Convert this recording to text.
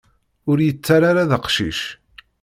Ur yi-ttarra ara d aqcic.